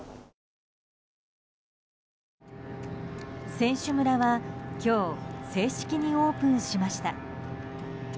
選手村は今日、正式にオープンしました。